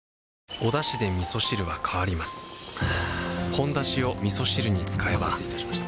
「ほんだし」をみそ汁に使えばお待たせいたしました。